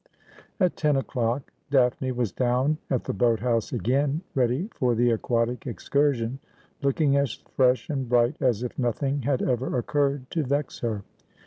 At ten o'clock Daphne was down at the boat house again, ready for the aquatic excursion, looking as fresh and bright as if nothing had ever occurred to vex her.